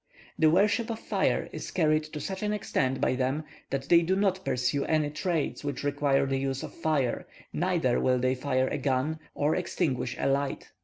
The worship of fire is carried to such an extent by them that they do not pursue any trades which require the use of fire, neither will they fire a gun, or extinguish a light.